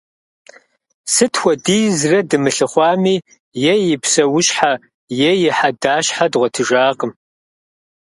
Сыт хуэдизрэ дымылъыхъуами, е и псэущхьэ е и хьэдащхьэ дгъуэтыжакъым.